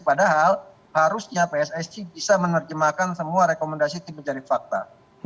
padahal harusnya pssi bisa menerjemahkan semua rekomendasi tim pencari fakta